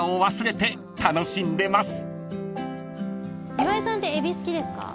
岩井さんってエビ好きですか？